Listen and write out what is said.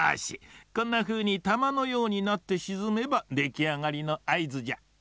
こんなふうにたまのようになってしずめばできあがりのあいずじゃ。